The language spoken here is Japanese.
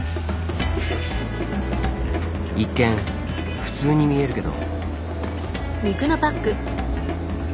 一見普通に見えるけど。